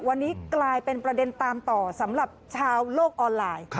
วันนี้กลายเป็นประเด็นตามต่อสำหรับชาวโลกออนไลน์